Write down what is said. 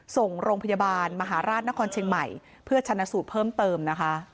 ส่งโรงพยาบาลมหาราชนครเชียงใหม่เพื่อชนะสูตรเพิ่มเติมนะคะ